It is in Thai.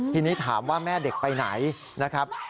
ทีนี้ถามว่าแม่เด็กไปไหนนะครับ